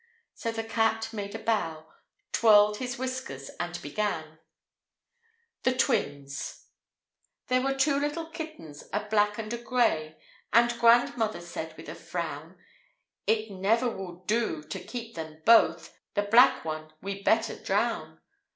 So the cat made a bow, twirled his whiskers, and began: THE TWINS[A] There were two little kittens, a black and a gray, And grandmother said, with a frown: "It never will do to keep them both, The black one we better drown.